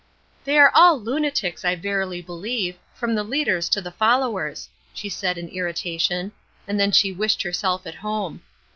"They are all lunatics, I verily believe, from the leaders to the followers," she said in irritation, and then she wished herself at home.